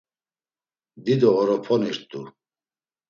Dido oroponirt̆u.